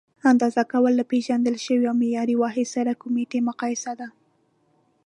اندازه کول: له پېژندل شوي او معیاري واحد سره کمیتي مقایسه ده.